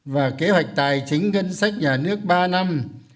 và kế hoạch tài chính ngân sách nhà nước ba năm hai nghìn hai mươi một hai nghìn hai mươi ba